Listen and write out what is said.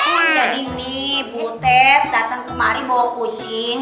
jadi ini butet dateng kemari bawa kucing